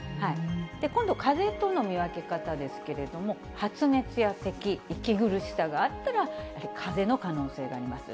今度、かぜとの見分け方ですけれども、発熱やせき、息苦しさがあったら、かぜの可能性があります。